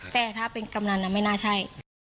แต่ถ้าเป็นกำนันไม่น่าใช่